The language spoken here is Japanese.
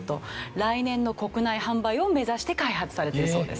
来年の国内販売を目指して開発されているそうです。